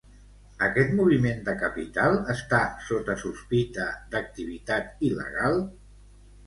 Aquest moviment de capital està sota sospita d'activitat il·legal?